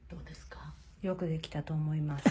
「よくできたと思います」。